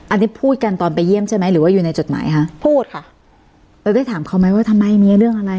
อันนี้พูดกันตอนไปเยี่ยมใช่ไหมหรือว่าอยู่ในจดหมายคะพูดค่ะเราได้ถามเขาไหมว่าทำไมมีเรื่องอะไร